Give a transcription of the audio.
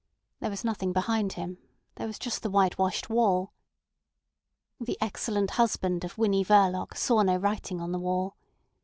There was nothing behind him: there was just the whitewashed wall. The excellent husband of Winnie Verloc saw no writing on the wall.